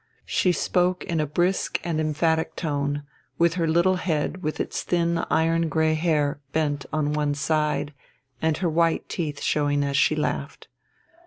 She spoke in a brisk and emphatic tone, with her little head with its thin iron grey hair bent on one side and her white teeth showing as she laughed.